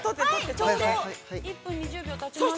◆ちょうど１分２０秒たちました。